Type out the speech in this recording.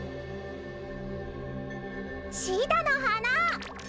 シダのはな！